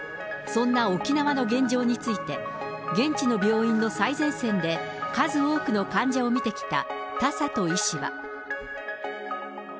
そんな沖縄の現状について、現地の病院の最前線で、数多くの患者を診てきた田里医師は。